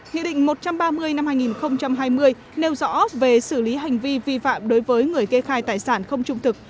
nghị định một trăm ba mươi năm hai nghìn hai mươi nêu rõ về xử lý hành vi vi phạm đối với người kê khai tài sản không trung thực